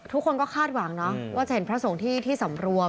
ทุกคนก็คาดหวังเนาะว่าจะเห็นพระสงฆ์ที่สำรวม